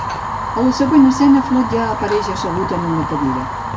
A la següent escena, Floyd ja apareix assegut en una cadira.